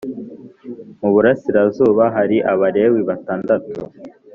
Mu burasirazuba hari abalewi batandatu